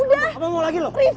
udah bisa udah gak sih